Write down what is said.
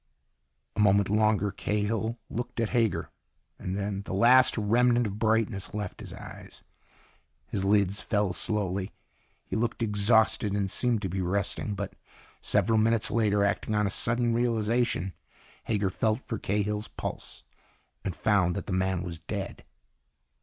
A moment longer Cahill looked at Hager. And then the last remnant of brightness left his eyes. His lids fell slowly. He looked exhausted and seemed to be resting. But several minutes later, acting on a sudden realization, Hager felt for Cahill's pulse and found that the man was dead.